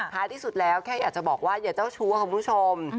ท้ายที่สุดแล้วแค่อยากจะบอกว่าเจ้าชู้ว่าคุณผู้ชม